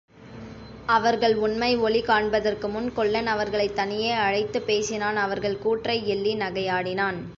அவர்கள் உண்மை ஒளி காண்பதற்குமுன் கொல்லன் அவர்களைத் தனியே அழைத்துப் பேசினான் அவர்கள் கூற்றை எள்ளி நகையாடினான்.